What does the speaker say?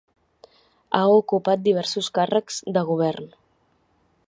Ha ocupat diversos càrrecs de govern.